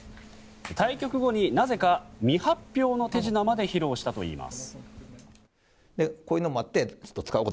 対局後になぜか未発表の手品まで披露したといいます。